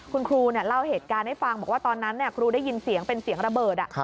คุณครูเล่าเหตุการณ์ให้ฟังบอกว่าตอนนั้นครูได้ยินเสียงเป็นเสียงระเบิด